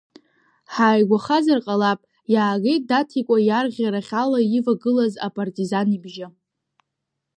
Ҳааигәахазар ҟалап, иаагеит, Даҭикәа иарӷьарахь ала ивагылаз апартизан ибжьы.